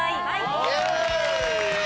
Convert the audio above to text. イエーイ